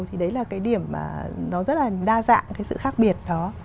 thì đấy là cái điểm mà nó rất là đa dạng cái sự khác biệt đó